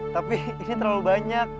tapi ini terlalu banyak